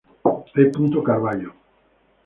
E. Carvalho.